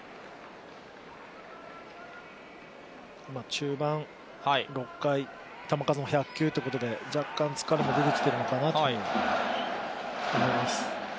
中盤６回、球数も１００球ということで、若干疲れも出てきているのかなと思います。